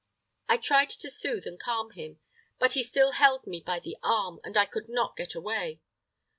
I tried to soothe and calm him; but he still held me by the arm, and I could not get away.